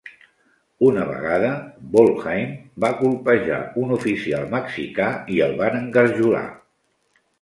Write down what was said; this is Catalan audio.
Una vegada Wolheim va colpejar un oficial mexicà i el van engarjolar.